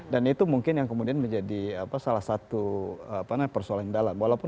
dan itu mungkin yang kemudian menjadi salah satu persoalan yang dalam